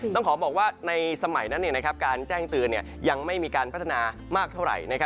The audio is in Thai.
ต้องขอบอกว่าในสมัยนั้นการแจ้งเตือนยังไม่มีการพัฒนามากเท่าไหร่